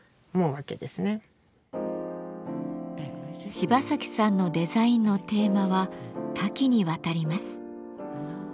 芝崎さんのデザインのテーマは多岐にわたります。